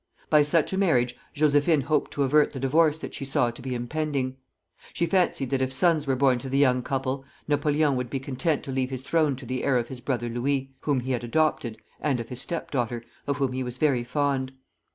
By such a marriage Josephine hoped to avert the divorce that she saw to be impending. She fancied that if sons were born to the young couple, Napoleon would be content to leave his throne to the heir of his brother Louis, whom he had adopted, and of his step daughter, of whom he was very fond.